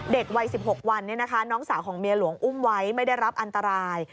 วัย๑๖วันน้องสาวของเมียหลวงอุ้มไว้ไม่ได้รับอันตราย